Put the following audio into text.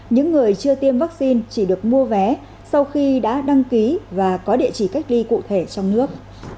những người chưa tiêm vaccine chỉ được mua vé sau khi đã đăng ký và có địa chỉ cách ly cụ thể trong nước